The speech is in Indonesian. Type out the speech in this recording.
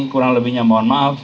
kurang lebihnya mohon maaf